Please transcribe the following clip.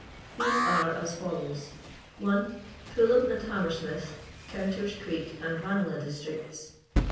These are as follows :— 1. Fulham and Hammersmith, Counter's Creek and Banelagh districts.